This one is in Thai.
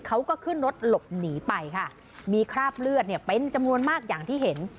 เขาก็ขึ้นรถหลบหนีไปค่ะมีคราบเลือดเนี่ยเป็นจำนวนมากอย่างที่เห็น